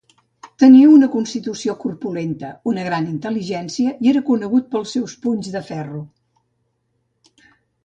Tenia una constitució corpulenta, una gran intel·ligència i era conegut pels seus punys de ferro.